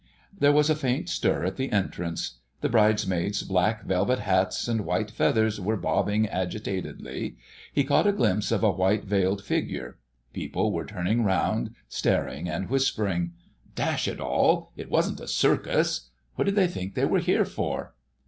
There was a faint stir at the entrance. The Bridesmaids' black velvet hats and white feathers were bobbing agitatedly. He caught a glimpse of a white veiled figure. People were turning round, staring and whispering. Dash it all! It wasn't a circus.... What did they think they were here for?